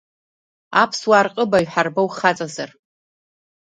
Аԥсуаа рҟыбаҩ ҳарба ухаҵазар!